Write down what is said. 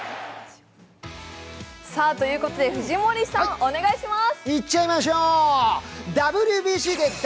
ということで、藤森さんお願いします。